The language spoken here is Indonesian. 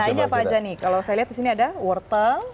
nah ini apa aja nih kalau saya lihat di sini ada wortel